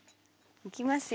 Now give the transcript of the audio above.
いきますよ。